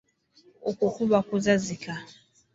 Okwo kuba kuzazika.